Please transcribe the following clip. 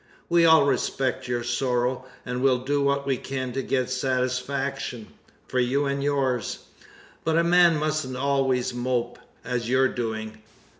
We all respect your sorrow; and will do what we can to get satisfaction, for you and yours. But a man mustn't always mope, as you're doing.